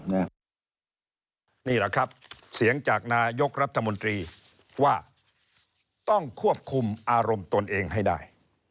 นี่แหละครับเสียงจากนายกรัฐมนตรีว่าต้องควบคุมอารมณ์ตนเองให้ได้